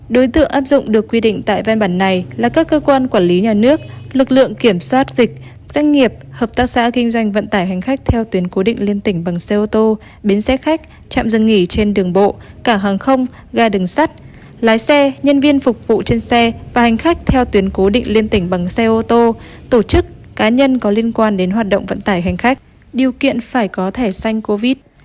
đối tượng áp dụng được quy định tại văn bản này là các cơ quan quản lý nhà nước lực lượng kiểm soát dịch doanh nghiệp hợp tác xã kinh doanh vận tải hành khách theo tuyến cố định liên tỉnh bằng xe ô tô bến xe khách chạm dân nghỉ trên đường bộ cả hàng không ga đường sắt lái xe nhân viên phục vụ trên xe và hành khách theo tuyến cố định liên tỉnh bằng xe ô tô tổ chức cá nhân có liên quan đến hoạt động vận tải hành khách điều kiện phải có thẻ xanh covid